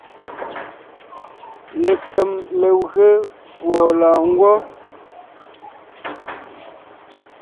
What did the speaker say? Lekem legwé fùɔ lɔ̀ɔngwɔ́.